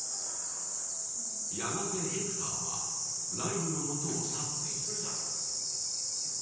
やがてヘクターは、ライルのもとを去っていった。